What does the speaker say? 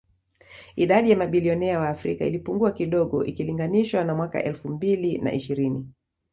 Idadi ya mabilionea wa Afrika ilipungua kidogo ikilinganishwa na mwaka elfu mbili na ishirini